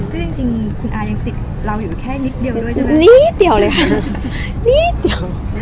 ก็จริงคุณอายังติดเราอยู่แค่นิดเดียวด้วยใช่ไหมนิดเดียวเลยค่ะนิดเดียว